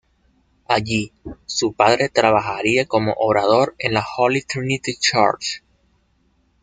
Allí, su padre trabajaría como orador en la "Holy Trinity Church".